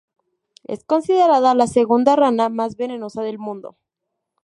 Es considerada la segunda rana más venenosa del mundo.